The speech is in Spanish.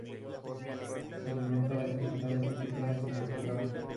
Se alimenta de vegetales y pequeños invertebrados.